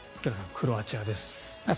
クロアチアです。